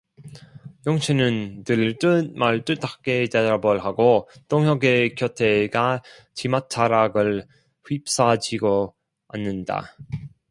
영신은 들릴 듯 말 듯하게 대답을 하고 동혁의 곁에 가 치맛자락을 휩싸쥐고 앉는다.